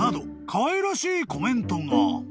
かわいらしいコメントが］